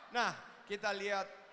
nah kita lihat